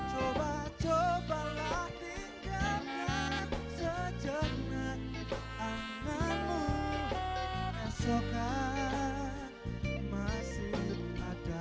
coba cobalah tinggalkan sejauh ini esokan masih ada